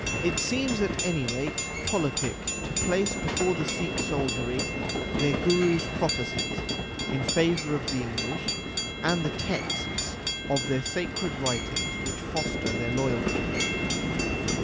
It seems, at any rate, politic to place before the Sikh soldiery their Guru s prophecies in favour of the English and the texts of their sacred writings which foster their loyalty.